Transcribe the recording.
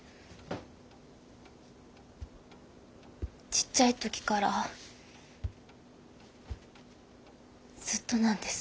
ちっちゃい時からずっとなんです。